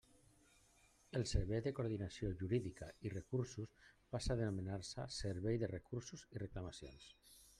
El Servei de Coordinació Jurídica i Recursos passa a denominar-se Servei de Recursos i Reclamacions.